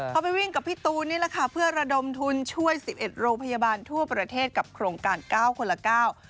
เขาไปวิ่งกับพี่ตูนนี่แหละค่ะเพื่อระดมทุนช่วยสิบเอ็ดโรงพยาบาลทั่วประเทศกับโครงการเก้าคนละเก้า